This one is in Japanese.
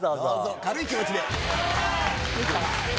軽い気持ちで。